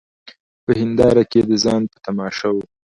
په هینداره کي د ځان په تماشا وه